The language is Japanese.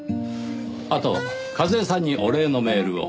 あと和江さんにお礼のメールを。